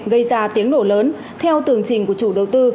gây ra tiếng nổ lớn theo tường trình của chủ đầu tư